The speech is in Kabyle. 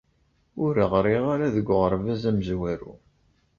Ur ɣriɣ ara deg uɣerbaz amezwaru.